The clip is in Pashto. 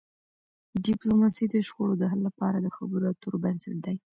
ډيپلوماسي د شخړو د حل لپاره د خبرو اترو بنسټ دی.